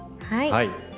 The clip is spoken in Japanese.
はい。